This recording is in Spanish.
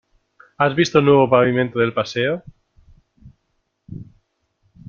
¿Has visto el nuevo pavimento del paseo?